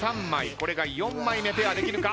これが４枚目ペアできるか？